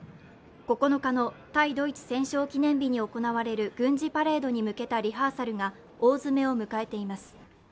９日の対ドイツ戦勝記念日に行われる軍事パレードに向けたリハーサルが大詰めを迎えています。